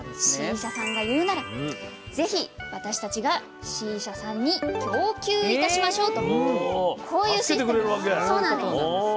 Ｃ社さんが言うならぜひ私たちがＣ社さんに供給いたしましょう」とこういうシステムなんです。